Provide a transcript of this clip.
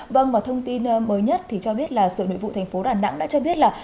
vâng và thông tin mới nhất thì cho biết là sở nội vụ thành phố đà nẵng đã cho biết là